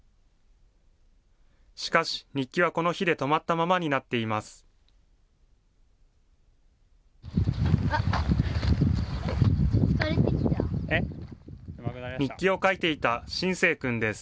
しかし、日記はこの日で止まったままになっています。